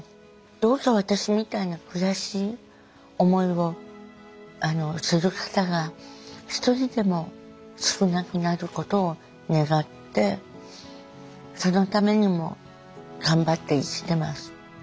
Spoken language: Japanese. どうか私みたいな悔しい思いをする方が一人でも少なくなることを願ってそのためにも頑張って生きてます。